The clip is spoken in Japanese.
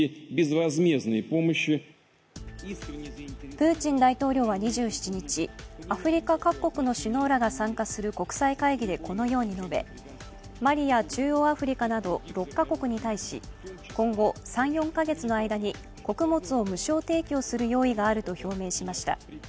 プーチン大統領は２７日アフリカ各国の首脳らが参加する国際会議でこのように述べ、マリや中央アフリカなど６か国に対し、今後３４か月の間に穀物を無償提供する用意があると表明しました。